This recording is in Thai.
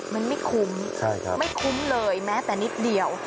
มันไม่คุ้มไม่คุ้มเลยแม้แต่นิดเดียว